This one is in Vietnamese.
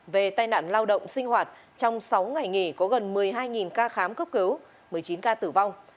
về tai nạn lao động sinh hoạt trong sáu ngày nghỉ có gần một mươi hai ca khám cấp cứu một mươi chín ca tử vong